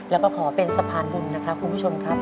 แล้วก็ขอเป็นสะพานบุญนะครับคุณผู้ชมครับ